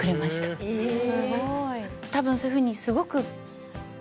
たぶんそういうふうにすごく。